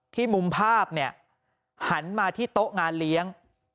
ที่มุมภาพหันมาที่โต๊ะงานเลี้ยง